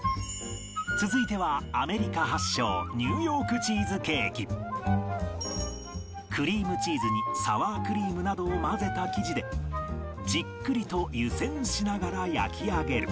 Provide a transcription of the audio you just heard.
続いてはクリームチーズにサワークリームなどを混ぜた生地でじっくりと湯せんしながら焼き上げる